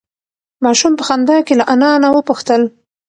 ماشوم په خندا کې له انا نه وپوښتل.